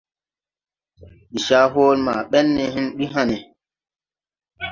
Ndi caa hɔɔle ma bɛn ne hen bi hãne.